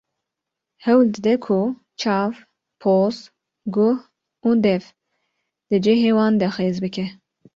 Hewl dide ku çav, poz, guh û dev di cihê wan de xêz bike.